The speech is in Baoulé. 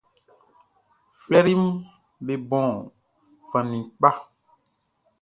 Flɛriʼm be bon fan ni kpa.